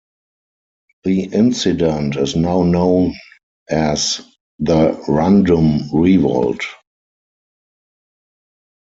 The incident is now known as the Rundum Revolt.